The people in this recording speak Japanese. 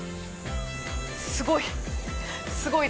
すごい。